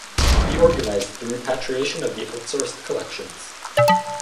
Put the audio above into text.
He organized the repatriation of the outsourced collections.